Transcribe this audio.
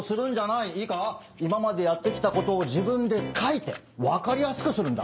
いいか今までやって来たことを自分で書いて分かりやすくするんだ。